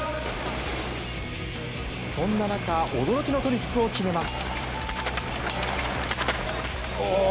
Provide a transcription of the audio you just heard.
そんな中驚きのトリックを決めます。